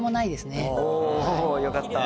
おぉよかった。